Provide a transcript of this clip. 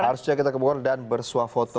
harusnya kita ke bogor dan bersuah foto